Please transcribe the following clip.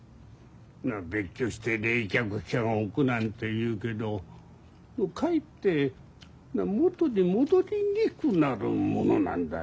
別居して冷却期間を置くなんて言うけどかえって元に戻りにくくなるものなんだよ。